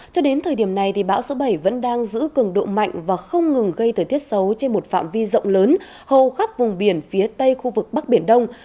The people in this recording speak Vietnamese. cho đến thời điểm này bão số bảy vẫn đang giữ cường độ mạnh và không ngừng gây thời tiết xấu trên một phạm vi rộng lớn hầu khắp vùng biển phía tây khu vực bắc biển đông